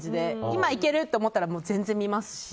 今いけるって思ったら全然見ますし。